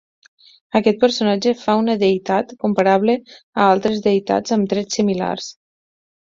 Aquest personatge fa una deïtat comparable a altres deïtats amb trets similars.